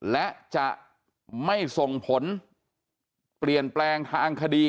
และจะไม่ส่งผลเปลี่ยนแปลงทางคดี